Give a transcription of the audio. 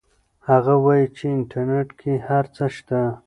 هغه وایي چې انټرنیټ کې هر څه شته.